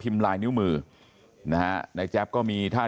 ลูกสาวหลายครั้งแล้วว่าไม่ได้คุยกับแจ๊บเลยลองฟังนะคะ